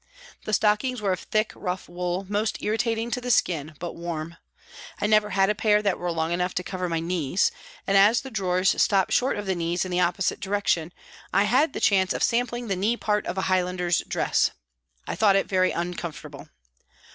The stockings were of thick, rough wool, most irritating to the skin but warm. I never had a pair that were long enough to cover my knees, and as the drawers stopped short of the knees in the opposite direction I had the chance of sampling the knee part of a Highlander's dress. I thought it very uncom. fortable.